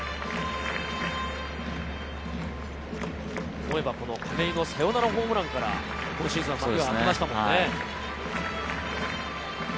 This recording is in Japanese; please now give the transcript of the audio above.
思えば、この亀井のサヨナラホームランから今シーズンの幕が開けましたもんね。